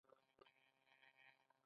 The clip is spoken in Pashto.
او ټولو ته رڼا ورکوي.